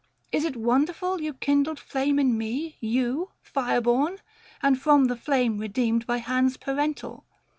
545 Is't wonderful you kindled flame in me, You, Fireborn ! and from the flame redeemed By hands parental.